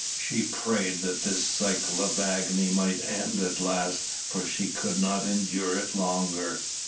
she prayed that this cycle of agony might end at last for she could not endure it longer.